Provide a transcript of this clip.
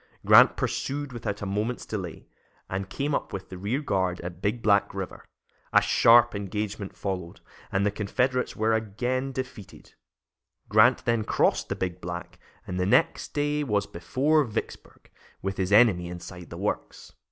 Grant pursued without a moment's delay, and came up with the rear guard at Big Black River. A sharp engagement followed, and the Confederates were again defeated. Grant then crossed the Big Black and the next day was before Vicksburg, with his enemy inside the works.